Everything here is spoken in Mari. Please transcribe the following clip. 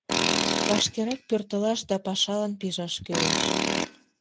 Вашкерак пӧртылаш да пашалан пижаш кӱлеш.